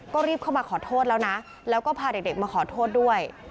ก็รีบเข้ามาขอโทษแล้วนะแล้วก็พาเด็กมาขอโทษด้วย